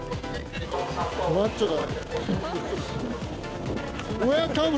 マッチョだ。